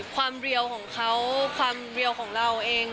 ความเรียวของเขาความเร็วของเราเอง